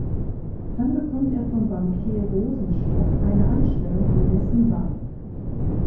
Dann bekommt er vom Bankier Rosenstock eine Anstellung in dessen Bank.